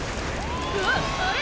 「うわあれ？